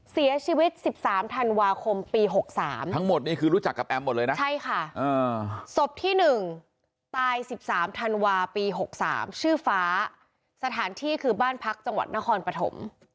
เสียชีวิต๑๓ธันวาคมปี๖๓ทั้งหมดนี่คือรู้จักกับแอมหมดเลยนะใช่ค่ะศพที่๑ตาย๑๓ธันวาปี๖๓ชื่อฟ้าสถานที่คือบ้านพักจังหวัดนครปฐม